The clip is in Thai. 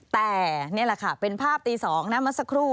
แต่นี่แหละค่ะเป็นภาพตี๒นะเมื่อสักครู่